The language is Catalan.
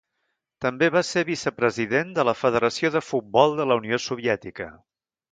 També va ser vicepresident de la Federació de Futbol de la Unió Soviètica.